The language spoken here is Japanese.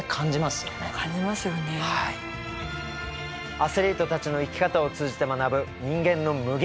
アスリートたちの生き方を通じて学ぶ人間の無限の可能性。